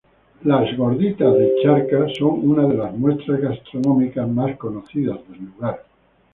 Las gorditas de Charcas son una de las muestras gastronómicas más conocidas del lugar.